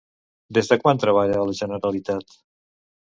Des de quan treballa a la Generalitat?